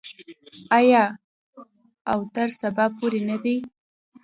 آیا او تر سبا پورې نه دی؟